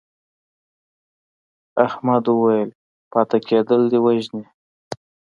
احمد وویل پاتې کېدل دې وژني.